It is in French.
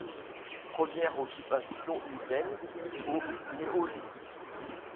Premières occupations humaines au néolithique.